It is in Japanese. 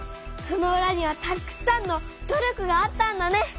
そのうらにはたくさんの努力があったんだね！